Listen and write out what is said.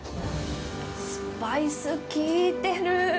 スパイス効いてる。